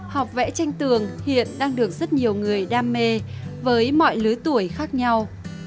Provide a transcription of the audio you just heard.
học vẽ tranh tường hiện đang được rất nhiều người đam mê với mọi lứa tuổi khác nhau